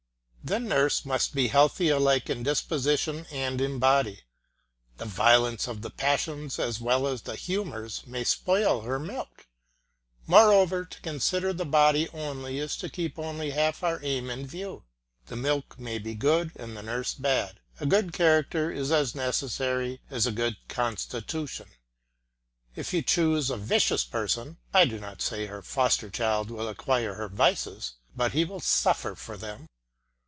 The nurse must be healthy alike in disposition and in body. The violence of the passions as well as the humours may spoil her milk. Moreover, to consider the body only is to keep only half our aim in view. The milk may be good and the nurse bad; a good character is as necessary as a good constitution. If you choose a vicious person, I do not say her foster child will acquire her vices, but he will suffer for them.